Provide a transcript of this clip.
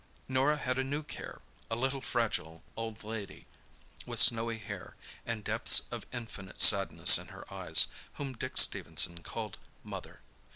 Norah had a new care—a little fragile old lady, with snowy hair, and depths of infinite sadness in her eyes, whom Dick Stephenson called "mother."